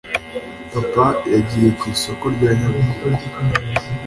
Papa yagiye kw’isoko rya nyabugogo